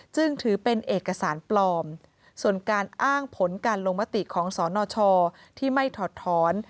จึงถือเป็นเอกสารปลอมส่วนการอ้างผลการลงมติของสนชที่ไม่ถอดถอน